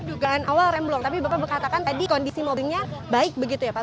dugaan awal remblong tapi bapak mengatakan tadi kondisi mobilnya baik begitu ya pak